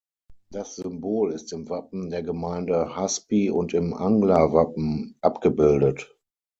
Das Symbol ist im Wappen der Gemeinde Husby und im Angler Wappen abgebildet.